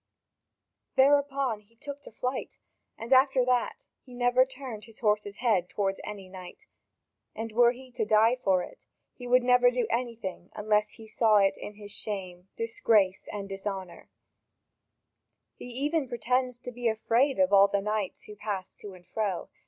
Thereupon he took to flight, and after that he never turned his horse's head toward any knight, and were he to die for it, he would never do anything unless he saw in it his shame, disgrace, and dishonour; he even pretends to be afraid of all the knights who pass to and fro.